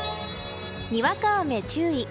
にわか雨注意。